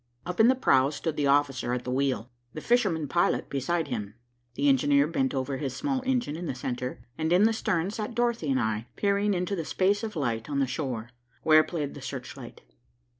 Up in the prow stood the officer at the wheel, the fisherman pilot beside him. The engineer bent over his small engine in the centre, and in the stern sat Dorothy and I, peering into the space of light on the shore, where played the search light.